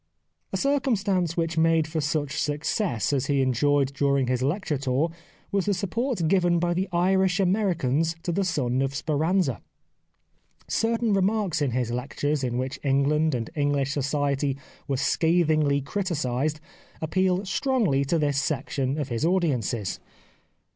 A circumstance which made for such success as he enjoyed during his lecture tour was the support given by the Irish Americans to the son of Speranza. Certain remarks in his lectures in which England and English society were scath ingly criticised appealed strongly to this section of his audiences.